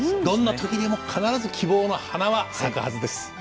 どんなときでも必ず希望の花は咲くはずです。